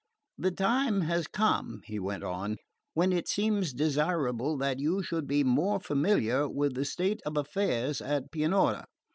"The time has come," he went on, "when it seems desirable that you should be more familiar with the state of affairs at Pianura.